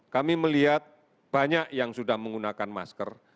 kami melihat banyak yang sudah menggunakan masker